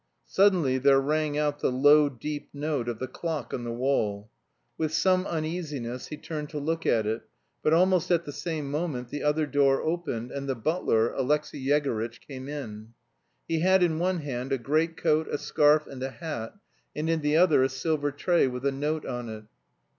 Suddenly there rang out the low deep note of the clock on the wall. With some uneasiness he turned to look at it, but almost at the same moment the other door opened, and the butler, Alexey Yegorytch came in. He had in one hand a greatcoat, a scarf, and a hat, and in the other a silver tray with a note on it.